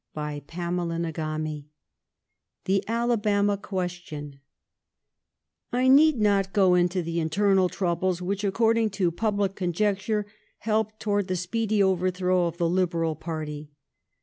CHAPTER XXIV THE ALABAMA QUESTION I NEED not go into the internal troubles which, according to public conjecture, helped towards the speedy overthrow of the Liberal party.